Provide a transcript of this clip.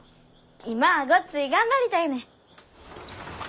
今はごっつい頑張りたいねん。